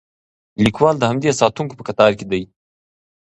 لیکوال د همدې ساتونکو په کتار کې دی.